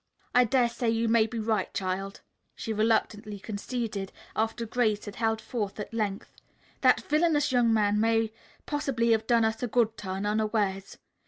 "I dare say you may be right, child," she reluctantly conceded, after Grace had held forth at length. "That villainous young man may possibly have done us a good turn, unawares.